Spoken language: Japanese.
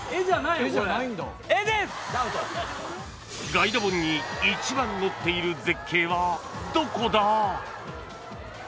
［ガイド本に一番載っている絶景はどこだ？］